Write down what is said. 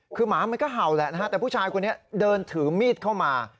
คือหมามันก็เห่าแหละนะฮะแต่ผู้ชายคนนี้เดินถือมีดเข้ามา